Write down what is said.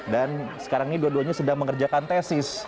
dan sekarang ini dua duanya sedang mengerjakan tesis